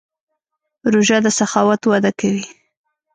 روژه د سخاوت وده کوي.